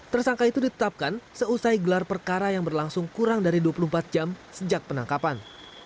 tersangka itu ditetapkan seusai gelar perkara yang berlangsung kurang dari dua puluh empat jam sejak penangkapan